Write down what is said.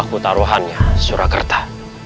aku taruhannya surakerta